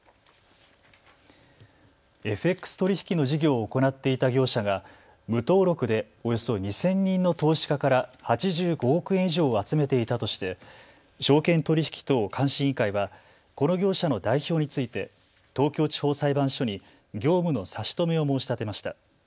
ＦＸ取引の事業を行っていた業者が無登録でおよそ２０００人の投資家から８５億円以上を集めていたとして証券取引等監視委員会はこの業者の代表について東京地方裁判所に業務の差し止めを申し立てました。